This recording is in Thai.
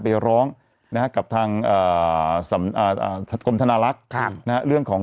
ถูกต้องถูกต้องถูกต้องถูกต้องถูกต้อง